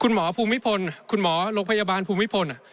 คุณหมอภูมิพลคุณหมอโรงพยาบาลภูมิพล